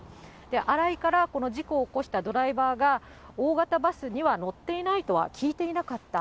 荒井からこの事故を起こしたドライバーが、大型バスには乗っていないとは聞いていなかった。